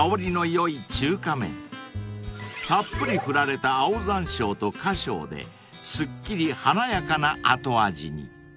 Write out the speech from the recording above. ［たっぷり振られた青山椒と花椒ですっきり華やかな後味に］